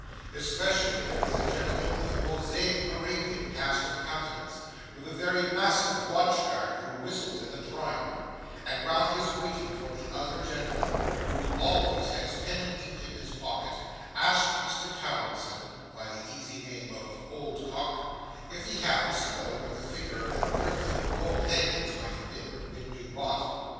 Especially, there is a gentleman, of a Mosaic Arabian cast of countenance, with a very massive watch guard, who whistles in the drawing room, and, while he is waiting for the other gentleman, who always has pen and ink in his pocket, asks Mr Towlinson (by the easy name of "Old Cock,") if he happens to know what the figure of them crimson and gold hangings might have been, when new bought.